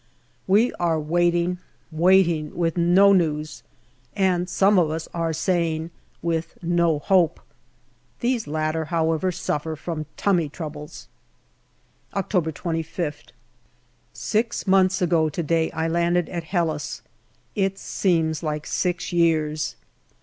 We are waiting, waiting, with no news, and some of us are saying with no hope. These latter, however, suffer from " tummy " troubles. October 25th. Six months ago to day I landed at Helles it seems like six years.